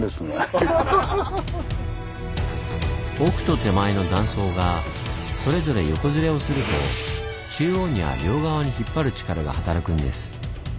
奥と手前の断層がそれぞれ横ずれをすると中央には両側に引っ張る力が働くんです。